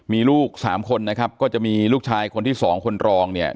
มีลูกสามคนนะครับก็จะมีลูกชายคนที่สองคนรองเนี่ย